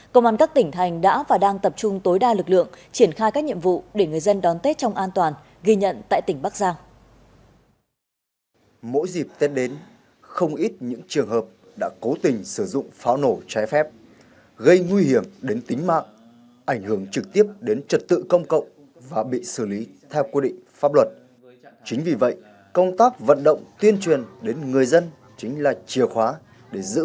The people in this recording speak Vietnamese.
công an các tỉnh thành đã và đang tập trung tối đa lực lượng triển khai các nhiệm vụ để người dân đón tết trong an toàn ghi nhận tại tỉnh bắc giang